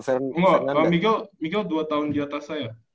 oh miguel dua tahun di atas saya